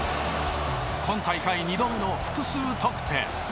今大会２度目の複数得点。